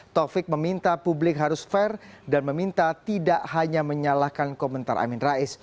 taufik meminta publik harus fair dan meminta tidak hanya menyalahkan komentar amin rais